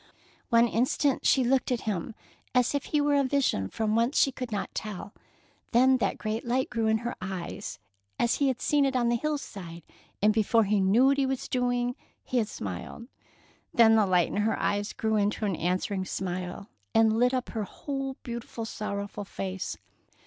One instant she looked at him as if he were a vision from whence she could not tell, then that great light grew in her eyes, as he had seen it on the hillside, and before he knew what he was doing he had smiled. Then the light in her eyes grew into an answering smile and lit up her whole beautiful, sorrowful face.